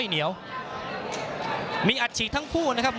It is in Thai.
พี่น้องอ่ะพี่น้องอ่ะ